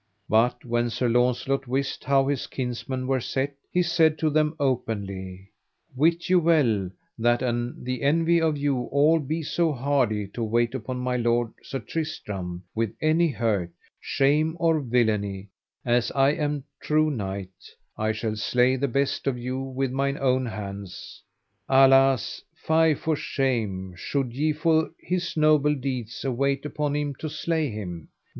But when Sir Launcelot wist how his kinsmen were set, he said to them openly: Wit you well, that an the envy of you all be so hardy to wait upon my lord, Sir Tristram, with any hurt, shame, or villainy, as I am true knight I shall slay the best of you with mine own hands. Alas, fie for shame, should ye for his noble deeds await upon him to slay him.